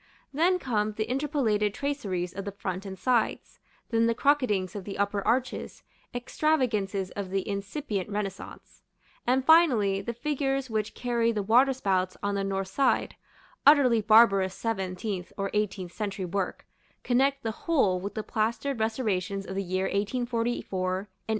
Then come the interpolated traceries of the front and sides; then the crocketings of the upper arches, extravagances of the incipient Renaissance: and, finally, the figures which carry the waterspouts on the north side utterly barbarous seventeenth or eighteenth century work connect the whole with the plastered restorations of the year 1844 and 1845.